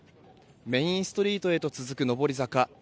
メインストリートへと続く上り坂